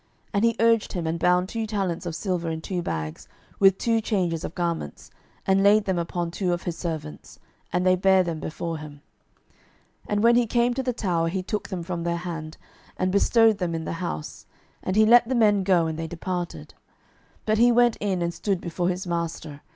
And he urged him, and bound two talents of silver in two bags, with two changes of garments, and laid them upon two of his servants; and they bare them before him. 12:005:024 And when he came to the tower, he took them from their hand, and bestowed them in the house: and he let the men go, and they departed. 12:005:025 But he went in, and stood before his master.